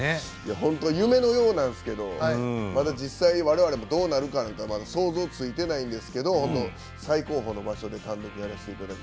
本当に夢のようなんですけど実際に我々もどうなるか想像ついていないんですけれど最高峰の場所で単独でやらせてもらえて。